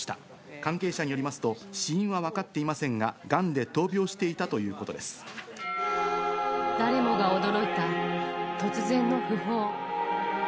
関係者によりますと、死因は分かっていませんが、がんで闘病して誰もが驚いた突然の訃報。